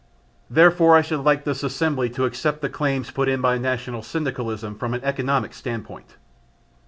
Therefore I should like this assembly to accept the claims put in by national syndicalism from an economic standpoint...."